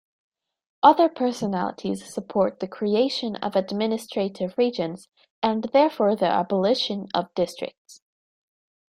Other personalities support the creation of administrative regions and therefore the abolition of districts.